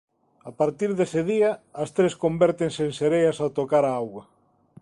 A partir dese día as tres convértense en sereas ao tocar a auga.